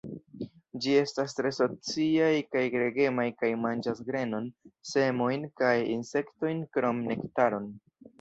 Ĝi estas tre sociaj kaj gregemaj kaj manĝas grenon, semojn kaj insektojn krom nektaron.